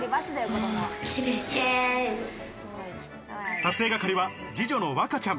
撮影係は二女の和花ちゃん。